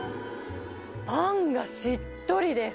パンがしっとりです。